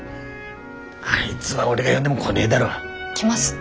あいづは俺が呼んでも来ねえだろ。来ます。